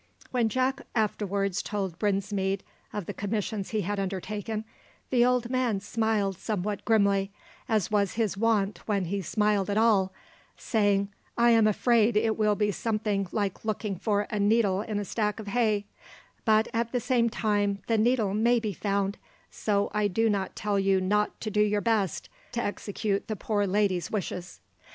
When Jack afterwards told Brinsmead of the commission he had undertaken, the old man smiled somewhat grimly, as was his wont when he smiled at all, saying, "I am afraid it will be something like looking for a needle in a stack of hay, but at the same time the needle may be found, so I do not tell you not to do your best to execute the poor lady's wishes."